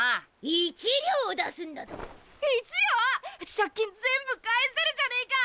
借金全部返せるじゃねえかぁ！